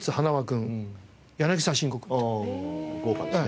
豪華ですね。